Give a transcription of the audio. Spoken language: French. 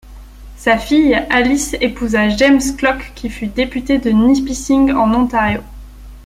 Sa fille, Alice épousa James Klock qui fut député de Nipissing en Ontario.